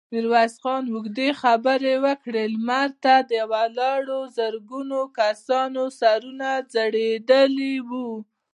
ميرويس خان اوږدې خبرې وکړې، لمر ته د ولاړو زرګونو کسانو سرونه ځړېدلي وو.